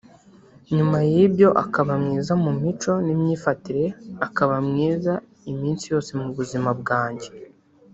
nyuma y'ibyo akaba mwiza mu mico n'imyifatire akaba mwiza iminsi yose mu buzima bwanjye